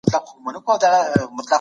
رایه اچونه په عمومي غونډه کي څنګه کېږي؟